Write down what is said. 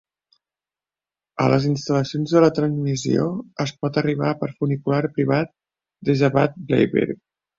A les instal·lacions de la transmissió es pot arribar per funicular privat des de Bad Bleiberg.